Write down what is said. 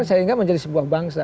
sehingga menjadi sebuah bangsa